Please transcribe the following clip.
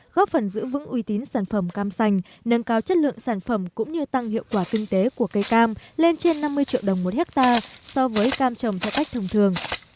góp phần giữ vững uy tín sản phẩm cam sành nâng cao chất lượng sản phẩm cũng như tăng hiệu quả kinh tế của cây cam lên trên năm mươi triệu đồng một hectare so với cam trồng theo cách thông thường